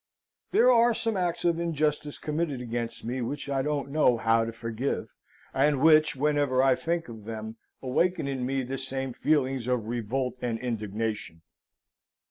There are some acts of injustice committed against me which I don't know how to forgive; and which, whenever I think of them, awaken in me the same feelings of revolt and indignation.